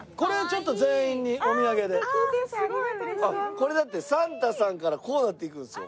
これだってサンタさんからこうなっていくんですよ。